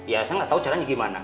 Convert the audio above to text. ya saya gak tau caranya gimana